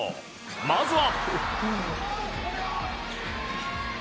まずは。